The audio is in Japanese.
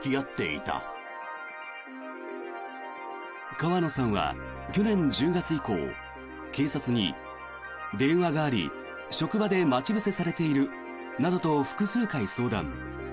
川野さんは去年１０月以降警察に電話があり職場で待ち伏せされているなどと複数回相談。